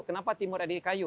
kenapa timur ada di kayu